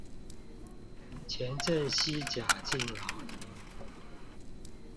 前鎮西甲敬老亭